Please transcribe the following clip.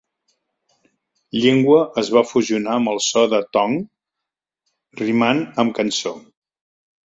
"Llengua" es va fusionar amb el so de "tong", rimant amb "cançó".